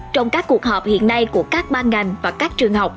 trong các cuộc họp hiện nay của các ban ngành